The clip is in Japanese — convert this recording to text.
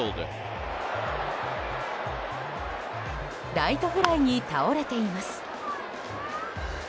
ライトフライに倒れています。